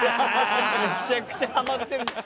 めちゃくちゃハマってる。